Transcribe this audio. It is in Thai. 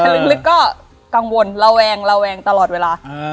แต่ลึกก็กังวลระแวงระแวงตลอดเวลา